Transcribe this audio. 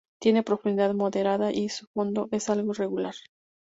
Tiene profundidad moderada y su fondo es algo irregular.